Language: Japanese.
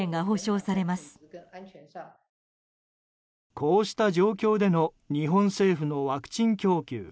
こうした状況での日本政府のワクチン供給。